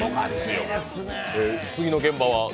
次の現場は？